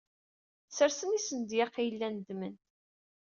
Sersen isendyaq ay llan ddmen.